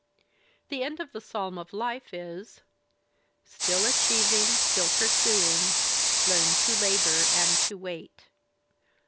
The end of "The Psahn of Life" is: Still achieving, still pursuing. Learn to labour and to wait.